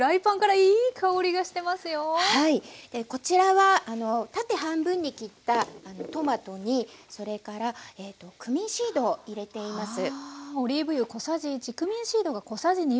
はいこちらは縦半分に切ったトマトにそれからクミンシードを入れています。